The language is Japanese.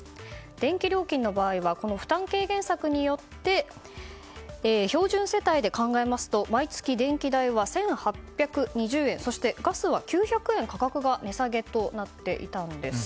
電気料金の場合は負担軽減策によって標準世帯で考えますと毎月、電気代は１８２０円そしてガスは９００円価格が値下げとなっていたんです。